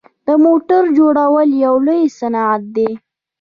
د موټرو جوړول یو لوی صنعت دی.